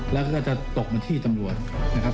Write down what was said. แล้วก็จะตกมาที่ตำรวจนะครับ